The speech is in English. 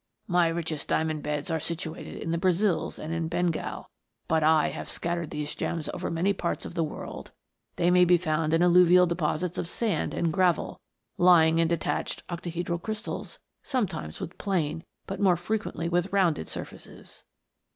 My richest diamond beds are situated in the Brazils and in Bengal, but I have scattered these gems over many parts of the world. They may be found in alluvial deposits of sand and gravel, lying in detached octohedral ciystals, sometimes with plain, but rnoi'e frequently with rounded sur faces.